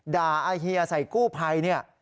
อาเฮียใส่กู้ภัยเนี่ย